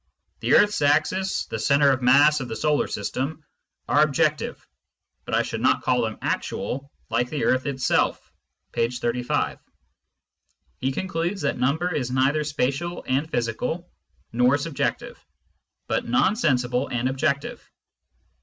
The earth's axis, the centre of mass of the solar system, are objective, but I should not call them actual, like the earth itself" (p. 35). He concludes that number is neither spatial and physical, nor subjective, but non sensible and objective.